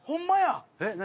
えっ何？